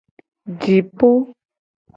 Jipo.